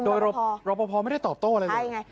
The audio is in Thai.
โดยรอปภไม่ได้ตอบโต้อะไรเลย